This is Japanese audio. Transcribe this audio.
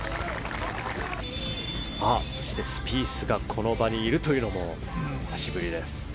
スピースがこの場にいるというのも久しぶりです。